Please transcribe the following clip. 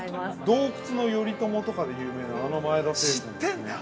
◆洞窟の頼朝とかで有名なあの前田青邨ですね。